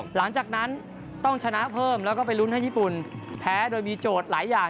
หลังจากนั้นต้องชนะเพิ่มแล้วก็ไปลุ้นให้ญี่ปุ่นแพ้โดยมีโจทย์หลายอย่าง